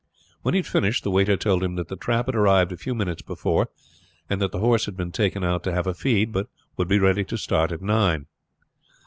When he had finished the waiter told him that the trap had arrived a few minutes before, and that the horse had been taken out to have a feed, but would be ready to start by nine.